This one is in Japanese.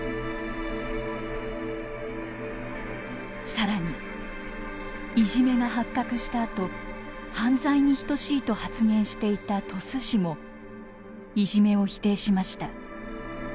更にいじめが発覚したあと「犯罪に等しい」と発言していた鳥栖市もいじめを否定しました。